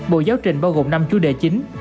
bộ giáo trình bao gồm năm chủ đề chính